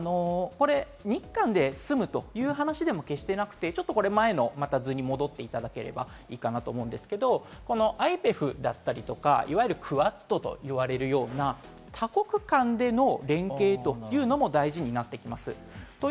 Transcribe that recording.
ただ、日韓で済むという話でも決してなくて、ちょっと前の図に戻っていただければいいかなと思うんですけど、ＩＰＥＦだったり、いわゆるクアッドと言われるような、多国間での連携というのも大事になってきます。